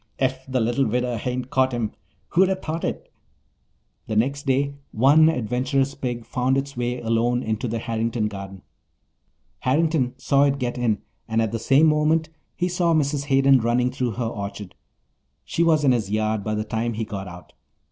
"Ef the little widder hain't caught him! Who'd a thought it?" The next day one adventurous pig found its way alone into the Harrington garden. Harrington saw it get in and at the same moment he saw Mrs. Hayden running through her orchard. She was in his yard by the time he got out.